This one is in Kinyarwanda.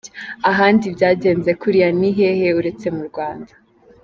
Ahandi byagenze kuriya ni hehe uretse mu Rwanda?